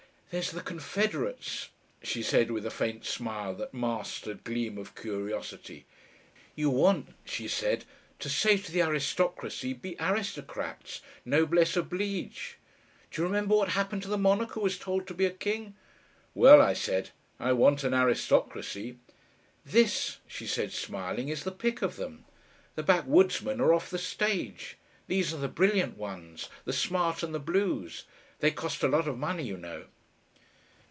"There's the Confederates," she said, with a faint smile that masked a gleam of curiosity.... "You want," she said, "to say to the aristocracy, 'Be aristocrats. NOBLESSE OBLIGE.' Do you remember what happened to the monarch who was told to 'Be a King'?" "Well," I said, "I want an aristocracy." "This," she said, smiling, "is the pick of them. The backwoodsmen are off the stage. These are the brilliant ones the smart and the blues.... They cost a lot of money, you know."